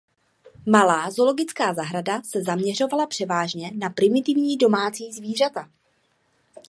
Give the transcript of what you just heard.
Malá zoologická zahrada se zaměřovala převážně na primitivní domácí zvířata.